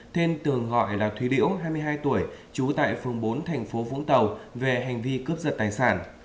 thên tường gọi là thúy điễu hai mươi hai tuổi trú tại phường bốn tp vũng tàu về hành vi cướp giật tài sản